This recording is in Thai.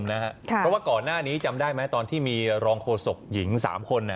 เพราะว่าก่อนหน้านี้จำได้ไหมตอนที่มีรองโฆษกหญิง๓คน